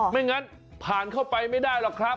ไม่งั้นผ่านเข้าไปไม่ได้หรอกครับ